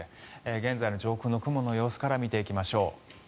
現在の上空の雲の様子から見ていきましょう。